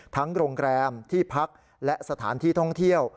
โรงแรมที่พักและสถานที่ท่องเที่ยว